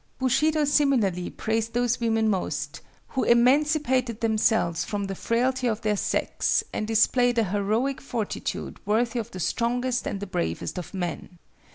Bushido similarly praised those women most "who emancipated themselves from the frailty of their sex and displayed an heroic fortitude worthy of the strongest and the bravest of men."